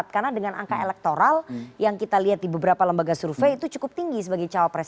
karena dengan angka elektoral yang kita lihat di beberapa lembaga survei itu cukup tinggi sebagai cawapres